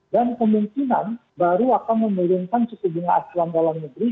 dan kemungkinan baru akan memurunkan suku asyua dalam negeri